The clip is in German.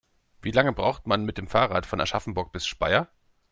Wie lange braucht man mit dem Fahrrad von Aschaffenburg bis Speyer?